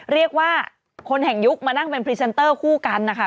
เรียกว่าคนแห่งยุคมานั่งเป็นพรีเซนเตอร์คู่กันนะคะ